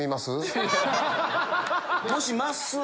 もしまっすー